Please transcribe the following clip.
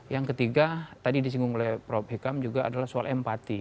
yang ketiga tadi disinggung oleh prof hikam juga adalah soal empati